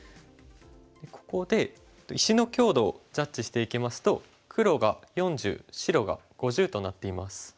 ここで石の強度をジャッジしていきますと黒が４０白が５０となっています。